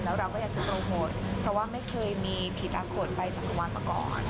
แล้วเราก็อยากจะโปรโภตเพราะว่าไม่เคยมีพีทอาคตไปจากวันมาก่อน